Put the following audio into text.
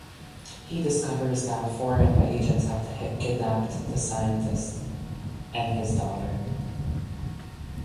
He discovers that foreign agents have kidnapped the scientist and his daughter.